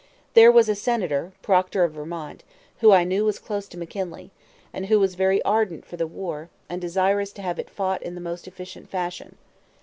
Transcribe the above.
There was a Senator, Proctor of Vermont, who I knew was close to McKinley, and who was very ardent for the war, and desirous to have it fought in the most efficient fashion.